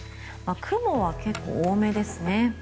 雲は結構多めですね。